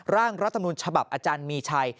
ร่างรัฐมนุนฉบับอาจารย์มีชัย